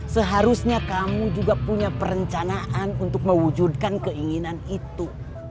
seharusnya kamu juga punya perencanaan untuk mewujudkan keinginan itu